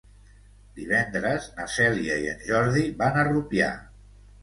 Divendres na Cèlia i en Jordi van a Rupià.